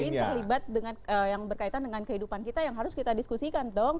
yang lain terlibat dengan yang berkaitan dengan kehidupan kita yang harus kita diskusikan dong